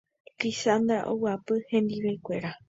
Lizandra oguapy hendivekuéra.